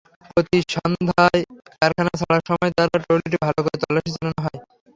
প্রতি সন্ধ্যায় কারখানা ছাড়ার সময় তার ট্রলিটি ভালো করে তল্লাশি চালানো হয়।